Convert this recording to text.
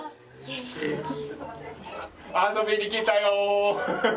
遊びに来たよ！